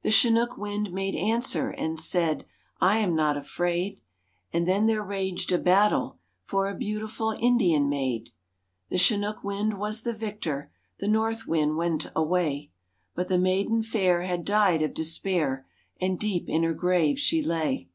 The Chinook wind made answer, And said, "I'm not afraid," And then there raged a battle, For a beautiful Indian Maid. The Chinook wind was the victor, The North wind went away, But the Maiden fair had died of despair, And deep in her grave she lay.